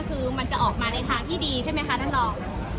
คือมันจะออกมาในทางที่ดีใช่ไหมคะท่านรอง